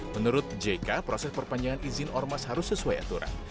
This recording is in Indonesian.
menurut jk proses perpanjangan izin ormas harus sesuai aturan